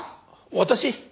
私？